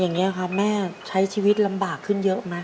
อย่างนี้ครับแม่ใช้ชีวิตลำบากขึ้นเยอะไหม